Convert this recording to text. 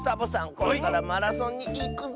これからマラソンにいくぞ！